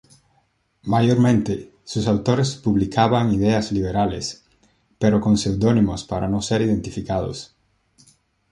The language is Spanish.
Mayormente, sus autores publicaban ideas liberales, pero con seudónimos para no ser identificados.